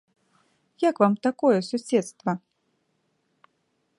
Як вам такое суседства?